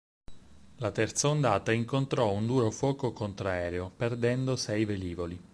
La terza ondata incontrò un duro fuoco contraereo, perdendo sei velivoli.